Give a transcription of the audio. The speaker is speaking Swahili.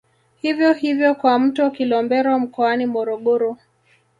Hivyo hivyo kwa mto Kilombero mkoani Morogoro